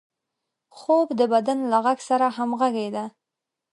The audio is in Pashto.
خوب د بدن له غږ سره همغږي ده